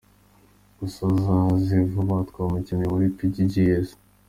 gusa azaze vuba turamukeneye muri pggss.